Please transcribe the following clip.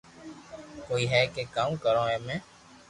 ڪوئي ھي ڪي ڪاو ڪرو امي